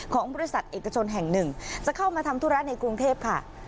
ของบริษัทเอกชนแห่งหนึ่งจะเข้ามาทำธุระในกรุงเทพค่ะ